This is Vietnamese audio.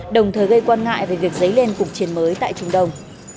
đồng thời gây quan ngại về việc dấy lên cuộc chiến mới tại trung đông